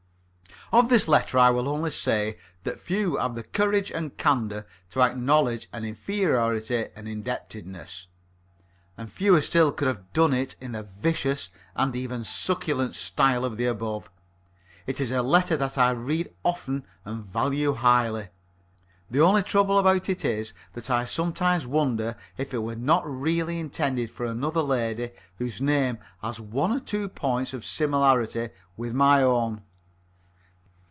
Of this letter I will only say that few have the courage and candour to acknowledge an inferiority and an indebtedness, and fewer still could have done it in the vicious and even succulent style of the above. It is a letter that I read often and value highly. The only trouble about it is that I sometimes wonder if it was not really intended for another lady whose name has one or two points of similarity with my own.